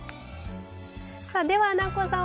さあでは南光さん